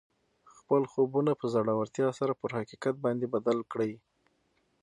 خپل خوبونه په زړورتیا سره پر حقیقت باندې بدل کړئ